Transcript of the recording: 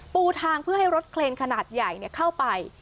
ปูทางเพื่อให้รถเคลนขนาดใหญ่เข้าไป